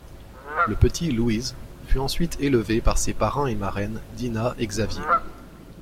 Le petit Luiz fut ensuite élevé par ses parrain et marraine Dina et Xavier.